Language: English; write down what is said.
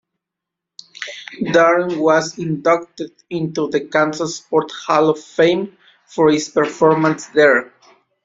Darren was inducted into the Kansas Sports Hall of Fame for his performance there.